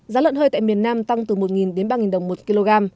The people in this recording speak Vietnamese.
giá lợn hơi tại miền nam tăng từ một đến ba đồng một kg